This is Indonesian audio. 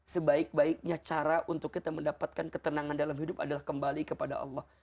sebaik baiknya cara untuk kita mendapatkan ketenangan dalam hidup adalah kembali kepada allah